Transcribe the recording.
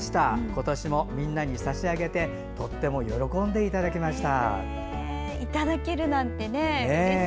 今年もみんなに差し上げてとても喜んでいただきました。